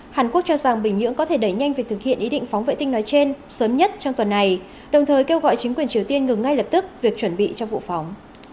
hàn quốc cho rằng bình nhưỡng có thể đẩy nhanh việc thực hiện ý định phóng vệ tinh nói trên sớm nhất trong tuần này đồng thời kêu gọi chính quyền triều tiên ngừng ngay lập tức việc chuẩn bị cho vụ phóng